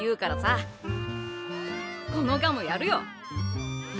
このガムやるよ。